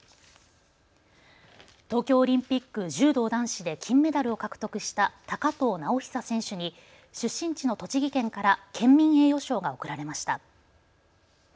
東京オリンピック、柔道男子で金メダルを獲得した高藤直寿選手に出身地の栃木県から県民栄誉賞が贈られました。